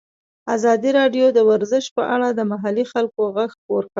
ازادي راډیو د ورزش په اړه د محلي خلکو غږ خپور کړی.